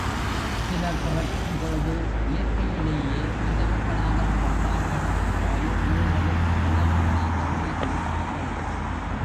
சிலர் பிறக்கும் பொழுது இயற்கையிலேயே நல்லவர்களாகப் பிறப்பார்கள் ஆயுள் முழுவதும் நல்லவர்களாகவே இருப்பார்கள்.